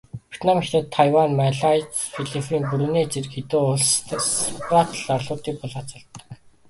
Вьетнам, Хятад, Тайвань, Малайз, Филиппин, Бруней зэрэг хэд хэдэн улс Спратл арлуудыг булаацалддаг.